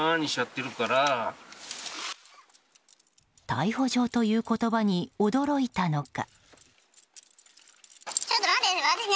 逮捕状という言葉に驚いたのか。